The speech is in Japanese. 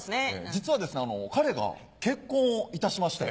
実は彼が結婚をいたしまして。